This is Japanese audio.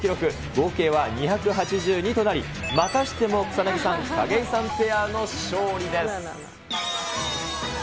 合計は２８２となり、またしても草薙さん・景井さんペアの勝利です。